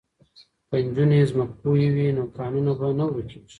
که نجونې ځمکپوهې وي نو کانونه به نه ورکیږي.